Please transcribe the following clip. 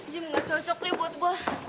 gym gak cocok deh buat gue